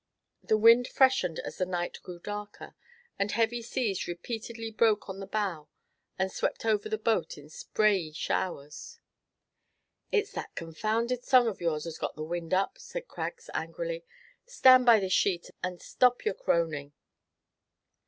The wind freshened as the night grew darker, and heavy seas repeatedly broke on the bow, and swept over the boat in sprayey showers. "It's that confounded song of yours has got the wind up," said Craggs, angrily; "stand by the sheet, and stop your croning!"